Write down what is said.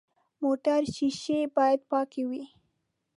موټر شیشې باید پاکې وي.